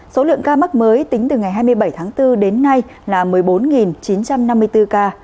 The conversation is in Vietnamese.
số lượng ca mắc mới tính từ ngày hai mươi bảy tháng bốn đến nay là một mươi bốn chín trăm năm mươi bốn ca